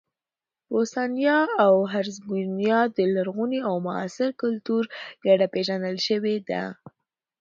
بوسنیا او هرزګوینا د لرغوني او معاصر کلتور ګډه پېژندل شوې ده.